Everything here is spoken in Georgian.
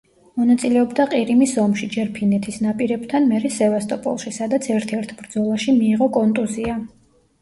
მონაწილეობდა ყირიმის ომში ჯერ ფინეთის ნაპირებთან, მერე სევასტოპოლში, სადაც ერთ-ერთ ბრძოლაში მიიღო კონტუზია.